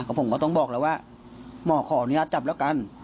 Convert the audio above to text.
ผมก็ต้องบอกแล้วว่าหมอขออนุญาตจับแล้วกัน